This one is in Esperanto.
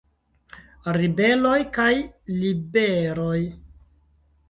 Ribeloj kaj Liberoj.